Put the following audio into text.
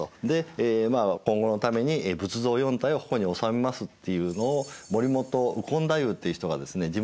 でまあ今後のために仏像４体をここにおさめますっていうのを森本右近太夫っていう人がですね